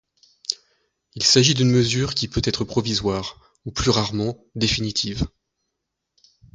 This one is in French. Il s'agit d'une mesure qui peut être provisoire ou, plus rarement, définitive.